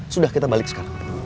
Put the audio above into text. sudah kita balik sekarang